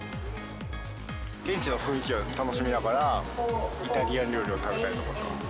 現地の雰囲気を楽しみながら、イタリアン料理を食べたいと思ってます。